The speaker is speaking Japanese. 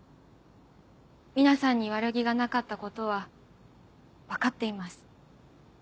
皆さんに悪気がなかったことは分かっています。